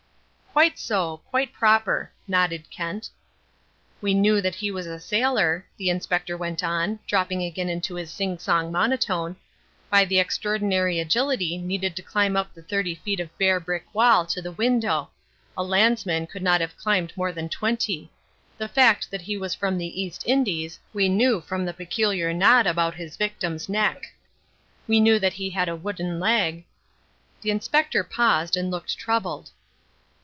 "Quite so, quite proper," nodded Kent. "We knew that he was a sailor," the Inspector went on, dropping again into his sing song monotone, "by the extraordinary agility needed to climb up the thirty feet of bare brick wall to the window a landsman could not have climbed more than twenty; the fact that he was from the East Indies we knew from the peculiar knot about his victim's neck. We knew that he had a wooden leg " The Inspector paused and looked troubled.